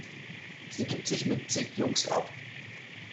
Sie gibt sich mit zig Jungs ab.